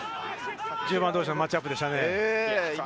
１０番同士のマッチアップでしたね。